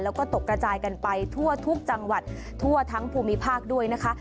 แล้วก็ตกกระจายกันไปทั่วทุกจังหวัดทั่วทั้งภูมิภาคด้วยนะคะ